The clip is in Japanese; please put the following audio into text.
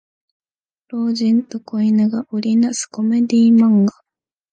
老人と子犬が織りなすコメディ漫画